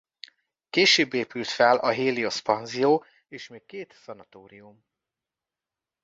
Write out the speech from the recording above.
Később épült fel a Helios-panzió és még két szanatórium.